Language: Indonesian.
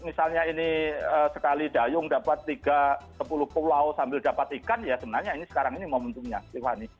misalnya ini sekali dayung dapat tiga sepuluh pulau sambil dapat ikan ya sebenarnya ini sekarang ini momentumnya tiffany